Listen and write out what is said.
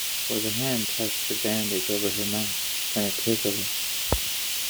For his hand touched the bandage over her mouth — tentatively.